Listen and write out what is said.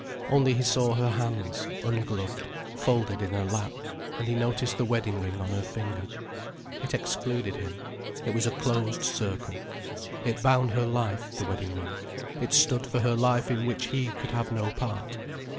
Only he saw her hands, ungloved, folded in her lap, and he noticed the wedding ring on her finger. It excluded him: it was a closed circle. It bound her life, the wedding ring, it stood for her life in which he could have no part.